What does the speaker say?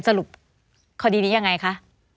สรุปคดีนี้ยังไงคะ